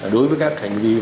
đối với các thành viên